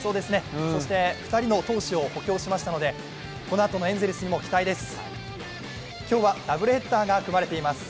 そして２人の投手を補強しましたので、このあとのエンゼルスにも期待です。